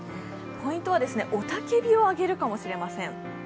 ポイントは雄たけびを上げるかもしれません。